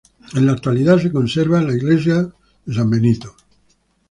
En la actualidad se conserva la Iglesia de San Benito.